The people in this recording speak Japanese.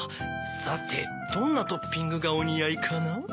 さてどんなトッピングがおにあいかな？